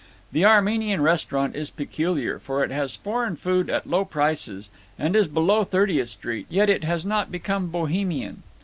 The Armenian restaurant is peculiar, for it has foreign food at low prices, and is below Thirtieth Street, yet it has not become Bohemian.